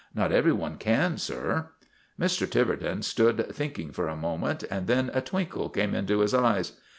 Not every one can, sir." Mr. Tiverton stood thinking for a moment, and then a twinkle came into his eyes.